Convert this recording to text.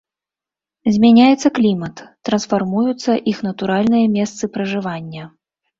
Змяняецца клімат, трансфармуюцца іх натуральныя месцы пражывання.